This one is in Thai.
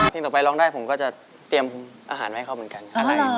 ต่อไปร้องได้ผมก็จะเตรียมอาหารมาให้เขาเหมือนกัน